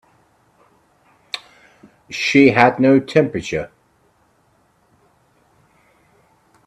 She had no temperature.